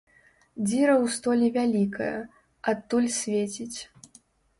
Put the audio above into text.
Дзіра ў столі вялікая, адтуль свеціць.